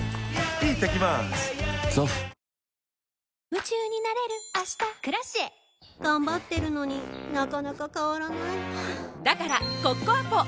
夢中になれる明日「Ｋｒａｃｉｅ」頑張ってるのになかなか変わらないはぁだからコッコアポ！